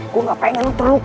gua gak pengen lu terluka